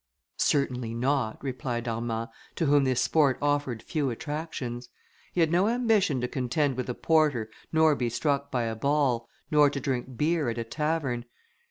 "Certainly not," replied Armand, to whom this sport offered few attractions: he had no ambition to contend with a porter, nor be struck by a ball, nor to drink beer at a tavern.